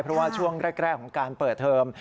เพราะว่าช่วงแรกของการเปิดเทอม